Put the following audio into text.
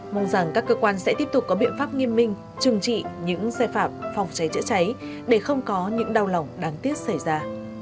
mong rằng các cơ quan sẽ tiếp tục có biện pháp nghiêm minh chừng trị những xe phạm phòng cháy chữa cháy để không có những đau lòng đáng tiếc xảy ra